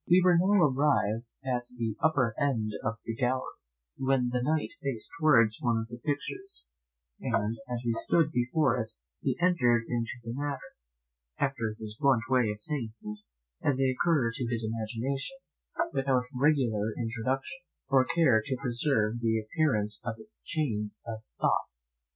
We were now arrived at the upper end of the gallery, when the Knight faced towards one of the pictures, and as we stood before it he entered into the matter, after his blunt way of saying things, as they occur to his imagination, without regular introduction, or care to preserve the appearance of chain of thought.